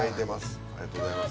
ありがとうございます。